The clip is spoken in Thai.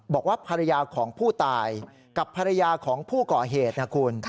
บอกว่าภรรยาของผู้ตายกับภรรยาของผู้ก่อเหตุนะคุณ